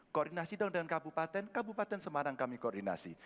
koordinasi dong dengan kabupaten kabupaten semarang kami koordinasi